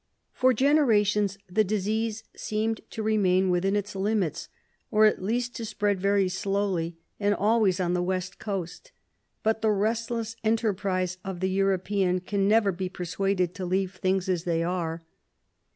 For generations the disease seemed to remain within its limits, or at least to spread very slowly, and always on the West Coast, but the restless enterprise of the European can never be persuaded to leave things as they are.